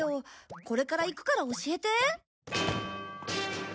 これから行くから教えて。